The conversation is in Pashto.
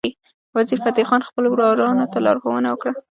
وزیرفتح خان خپل ورورانو ته لارښوونه وکړه.